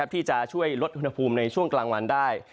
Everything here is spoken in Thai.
ที่จะช่วยลดอุณหภูมิในช่วงกลางวันได้